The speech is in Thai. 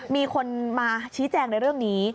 มีคนมาชี้แจงในเรื่องนี้